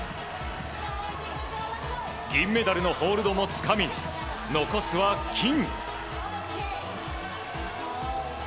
銀メダルのホールドもつかみ残すは金。